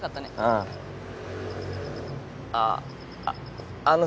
あっあっあのさ。